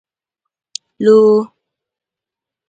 lóó